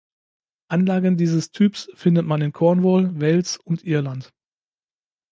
Anlagen dieses Typs findet man in Cornwall, Wales und Irland.